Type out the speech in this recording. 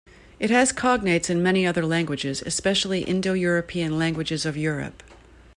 It has cognates in many other languages, especially Indo-European languages of Europe.